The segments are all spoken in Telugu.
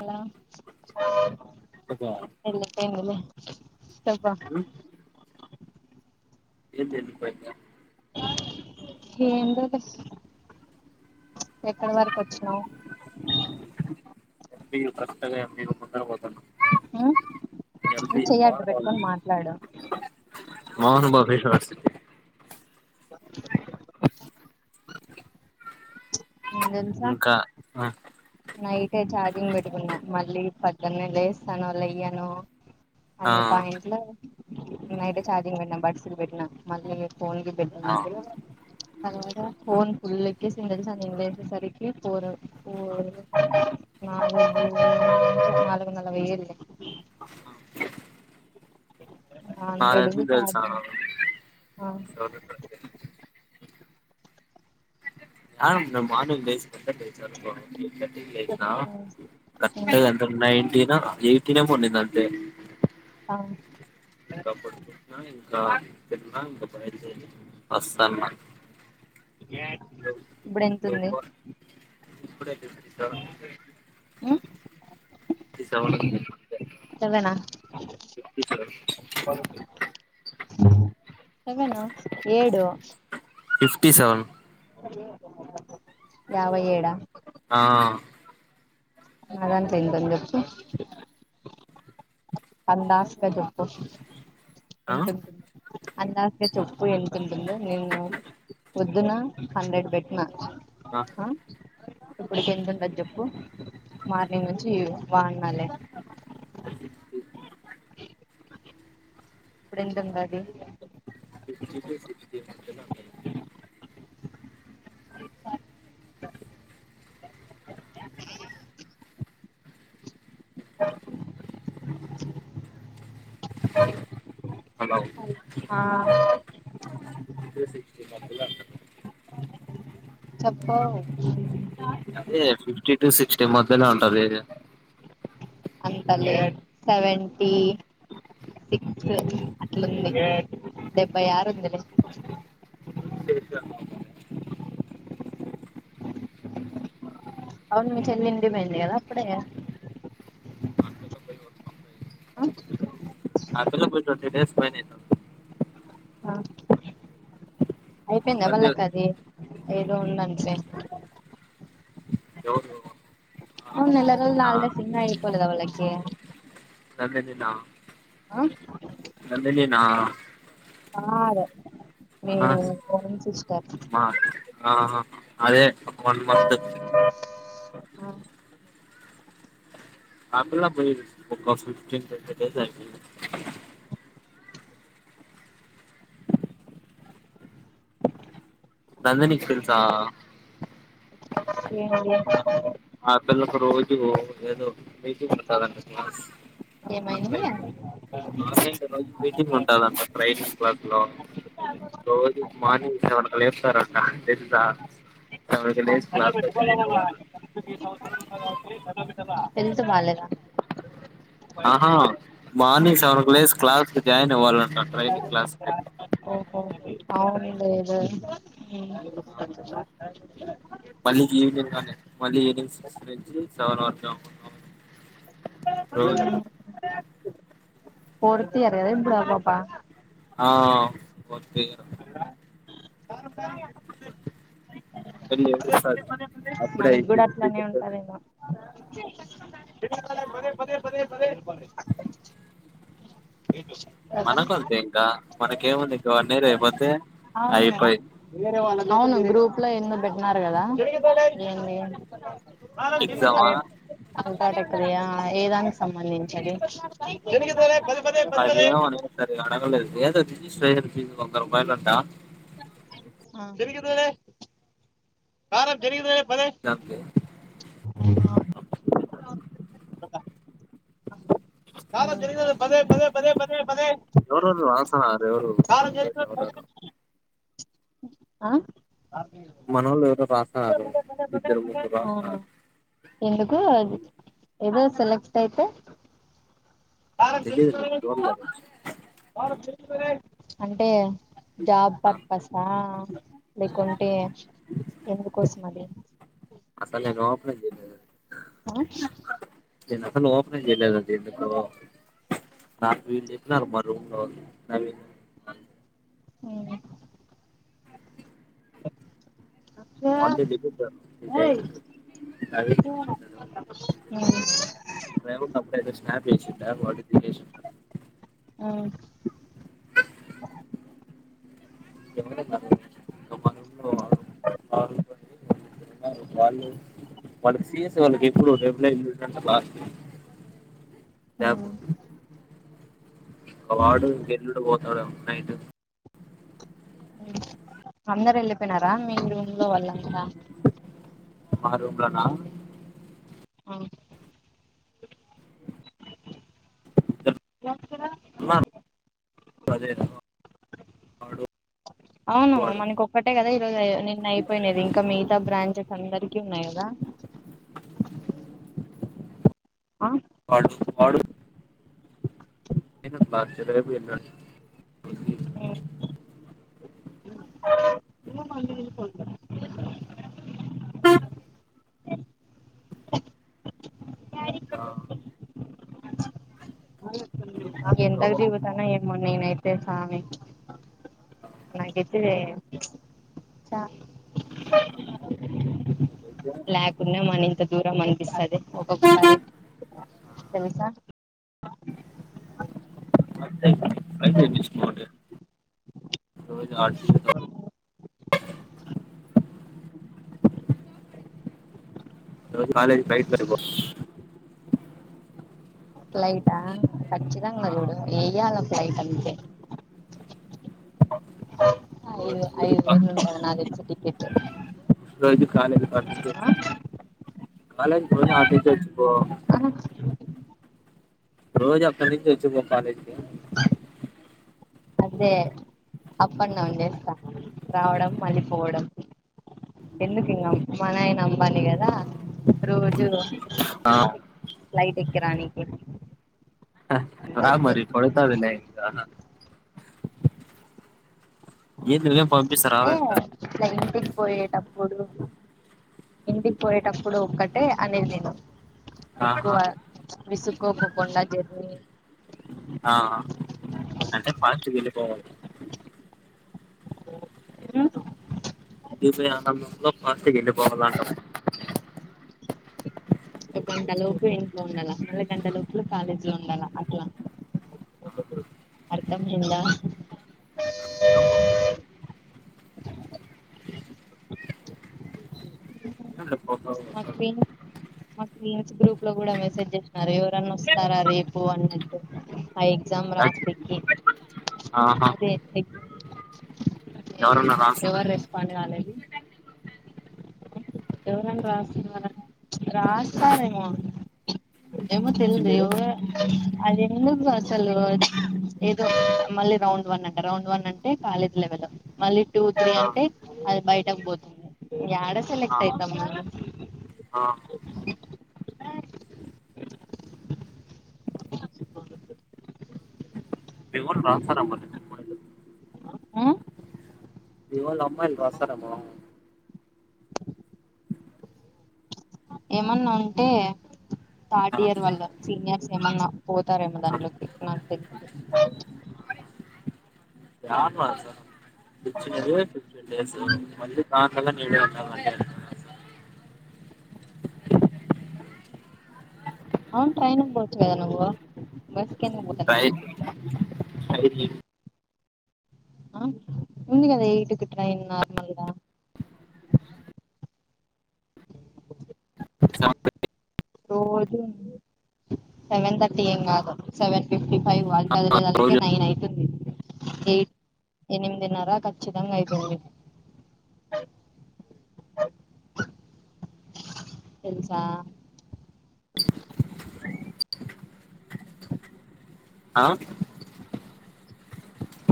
హలో ఎల్లిపోయిందిలే పెద్ద. ఏంది ఎల్లిపోయింది. ఎందేల్స్ ఎక్కడి వరకు వచ్చినావు. డీల్ కరెక్ట్ గా ఏంజీ రోడ్ పక్కన పోతున్న. నువ్వు హెల్దీ చెయ్యి అడ్డు మామిడిపళ్ళు పెట్టుకొని మాట్లాడు మోహనబాబు [unintelligible] నేను తెలుసా ఇంకా. నైటే ఛార్జింగ్ పెట్టుకున్నా మళ్ళీ పద్దుణ్ణె లేస్తానో లెయ్యనో. ఆ అనే పాయింట్లు నైట్ ఏ ఛార్జింగ్ పెట్టిన బడ్స్ మళ్ళీ. ఫోన్కి పెట్టడానికి ఫోన్ ఫుల్లెక్కిసింది తెల్సా నేన్ లేచేసరికి త్రీ ఫోరు. మూలుగు మాములుగా మాములుగా నాలుగొందల నలభై ఏడులే. నది హండ్రెడ్ అన్ని ఉంది తెల్సా నో ఛార్జింగ్ ఆ నామాట ఇనేసీ కొత్తది తెచ్చినవ్ అనుకో. లేచిన కరెక్ట్గా ఎంత నైటీన్ [unintelligible] అవును. కప్పుడు పూట్నాలే. ఆ మస్తు అనుమాన ఇప్పుడు ఎంతుంది. ఇప్పుడే. ఫిఫ్టీ సెవెన్ ఫిఫ్టీ సెవెన్ ఉంది అంతే సెవెనా ఫిఫ్టీ సెవెన్ సెవెనా ఏడు. Fifty seven. యాభై ఏడు ఆ ఆ ఆదాంట్లో ఎంతుంది చెప్పు. అందస్గా చెప్పొచ్చు. ఆ అందస్గా చెప్పు ఎంతుంటుందో నేను పొద్దున హండ్రెడ్ పెట్టినా. ఆ ఇప్పుడుకి ఎంత ఉండది చెప్పు మార్నింగ్ నుంచి బాగున్నలే ఇప్పుడెంత ఉందది. ఫిఫ్టీ టు సిక్స్టీ మధ్యలో ఉంటది హలో ఆ చెప్ప అదే పిఫ్టీ టూ సిక్స్టీ మధ్యల ఉంటది ఏరియా అంత లే సెవెంటీ సిక్స్ అట్లుంది డెబ్బై ఆరు ఉందిలే శేష అవును మీ చెల్లి ఇంటికి పెయ్యింది కదా అప్పుడే ఆ అసుల్లో [unintelligible] ట్వంటీ డేస్ పైన అయితాంది అయిపోయింద మళ్ళీ వళ్ళక అది ఏదో ఉందంట్లే ఎవదు అవును నెల రోజులు హాలిడేస్ ఇంగా అయిపోలేదా వాళ్ళకి నదిదీన్న ఆ ఆ ఆరు మీ ఓన్ సిస్టర్ మా ఆ అదే వన్ మంత్ ఆ ఆపిల్ల పోయి ఒక ఫిఫ్టీన్ ట్వంటీ డేస్ అయిపేయింది నందని కి తెల్సా ఏం అండి ఆ పిల్లకు రోజూ ఏదో మీటింగ్ ఉంటాదంట క్లాస్సు ఏమైంది ఆన్లైన్ ఆన్లైన్ రోజు మీటింగ్ ఉంటుదంట రైనింగ్ క్లాక్ లో రోజు మార్నింగ్ సెవెన్ లేపుతారంటా తెలుసా లేసి క్లాస్లో జాయిన అవ్వాలా హెల్త్ బాలేదా ఆహా ఆ మార్నింగ్ సెవన్ ఓ క్లాస్ క్లాస్ జాయిన్ అవ్వాలంటా ట్రైనింగ్ క్లాస్కి అవును లేేవే హ్మ్ మళ్ళీ ఈవినింగ్ గానే మళ్ళీ ఈవినింగ్ సిక్స్ నుంచి సెవెన్ వరకు [inaudible] రోజు ఫోర్త్ ఇయర్ కదా ఇప్పుడు ఆ పాపా ఆ వ పాప [unintelligible] మనకి కూడా అయిపోయింది అట్లనే బీటెక్ ఉంటదేమో [unintelligible] పధే పదే బ మనకు అంతె ఇంకా మనకేముంది ఇంగా వన్ ఇయర్ అయిపోతే అవునా అయిపోయి అవును గ్రూప్ లో ఎందో పెట్టినర్ కదా ఏంది ఎగ్జామా అతాతకయా ఆ ఏదానికి సంబంధించది పదే పది అదే పదే మరి సారు ఎడగ ఏదో రిజిస్ట్రేషన్ ఫీజ్ వంద రూపాయలు ఉంటా జరిగిదుర ఆర జరిగిద దమ్ కారం పదే పదే పదే పదే పదే ఎవరు వాసరు ఎవరు కారం సంతోష జరిగిదలే పదే ఎవరారు ఆ మనోళ్ళు ఎవరో రాసన్నారు ఇద్దరు ముగ్గురు రాసన్నారు ఎందుకు ఏదో సెలెక్ట్ అయితే తెలిదు అంటే జాబ్ ఆ, పర్పసా లేకుంటే ఎందుకోసం అది అసలు నేను ఓపెన్ అయితేనే కదా ఆ చిన్నప్పుడు నువ్ ఓపెన్ ఏం చేయలేదు ఆ వ స్నాప్ వారుసిరు మన వాళ్ళు వాళ్ళకి వాళ్ళకి ఎప్పుడు రెలస్ ఒక వాడు ఇంకా ఎల్లుండి పోతాడేమో నైట్ అందరు వెళ్ళిపోయినారా మీ రూమ్ లో వాళ్ళంతా మా రూం లోనా ఇద్దరు అదేనా నాడు అవును మనకు ఒక్కటే కదా నిన్న అయిపోయినాయి. ఇంకా మిగతా బ్రాంచెస్ అందరికి కింన్నా ఎదా పా ప ఏ దస్చ ఎ కదా ఆ ఇంకా ఎంతకు దిగుతున్నాయి ఏమో నేనయితే అంతే స్వామి నా ఎద్దద చ లేకుండా మనింత దూరం మనిపిస్తాది ఒకటో తారీఖు తెలుసా అంతే అంతే డిస్కౌంటె ఈ రోజు కాలేజ బయట ఫ్లైటా ఆ ఖచ్చితంగా చూడు ఏయ్యాల ఫ్లైట్ అంతే ఐదు రోజు ఐదు కా- వేలంటది నాకు తెలిసి టికెట్ పండిచే ఇవ్వు కాలేజీ కి రోజు ఆడ్నుంచి తెచ్చుకో ఆ రోజీక్కడ్నుంచి తెచ్చుకో కాలేజీ కి అదే అప్ అండ్ డౌన్ చేస్తాను రావడం మళ్ళీపోవడం ఎందుకు ఇంగా మానయన అంబానీ కదా రోజు ఆ ఇకరానికి రా మరి పడతాది లే చానా ఏంది లే ఏ ఇట్ల ఇంటికి పోయేట ఇప్పుడు ఇంటికి పోయేటప్పుడు ఒక్కటే అనేది నేను ఎక్కువ ఆహా విసుక్కుపోకోకుండా జర్నీ ఆ అంటే పాస్ట్ గెళ్ళిపోవాలి ఇంటికి పోయినక ఎమో పార్టీకి వెళ్ళిపోవాల అంటాం ఒక గంట లోపు ఇంట్లో ఉండాల మల్ల గంట లోపల కాలేజీ లో ఉండాల అట్లా అర్థమైందా మా ఫ్రెండ్స్ మా ఫ్రెండ్స్ గ్రూప్ లో కూడా మెసేజ్ చేసినారు ఎవరన్నా వస్తారా రేపు అన్నట్టు ఆ ఎగ్జామ్ రాసి పెట్టేకి ఆహా అదే అదే ఎవరన్నా ఎవరు రాస్తున్నారా రెస్పాండ్ కాలేదు ఎవరన్నా రాస్తున్నారా రాసారేమో ఏమో తేల్దు చిన్నది ఎవరో అది ఎందుకు అసలు ఏదో మళ్ళీ రౌండ్ వన్ అంటే రౌండ్ వన్ అంటే కాలేజ్ లెవెల్ మళ్ళీ టూ త్రీ ఆ అంటే అది బయటకు పోతుంది ఇగ యాడ ఆ సెలెక్ట్ పెద్దమ్మ ఆ కు మేము ట్రాన్స్ఫరా వల్లే ఆ ఇవ్వాళ అమ్మాయిలు రాస్తారేమో ఏమన్నా ఉంటే థర్డ్ ఇయర్ వల్ల సీనియర్స్ ఏమన్నా పోతారేమో దానిట్లోకి నాకు తెలిసి యాడుండాలి సార్ ఇచ్చిందే ఫిఫ్టీన్ డేస్ మళ్ళ నాలుగు నెలలు ఈన్నే ఉండాలంటే అవును ట్రైన్ పోవచ్చు కదా నువ్వు బస్ క్రాయ్ అయింది ఆ ముందు కదా ఎయిట్ కి ట్రైన్ నార్మల్ గా రోజు సెవెన్ థర్టీ ఏం కాదు సెవెన్ ఫిఫ్టీ ఫైవ్ వాళ్ళ కదిలేదలికే రోజు నైన్ అవుతుంది ఎయిట్ ఎనిమిదిన్నర ఖచ్చితంగా ఐథాది తెలుసా ఆ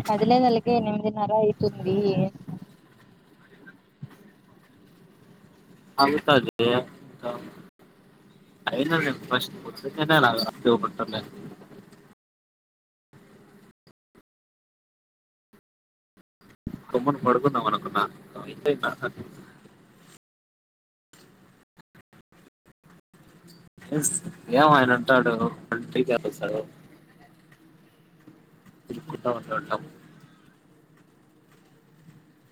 పదిలే నలకి ఎనిమిదిన్నర అయితుంది అవుతదే గమ్మున పడకుందా మనుకున్నా ఇంత ఏమీ ఆయనంటాడు నంట క సడ [inaudible]